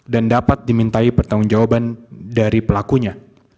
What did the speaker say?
dan dapat dimintai pertanggung jawaban dari pelakunya